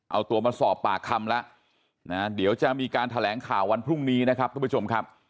เอาตัวมาสอบปากคำแล้วนะเดี๋ยวจะมีการแถลงข่าววันพรุ่งนี้นะครับทุกผู้ชมครับ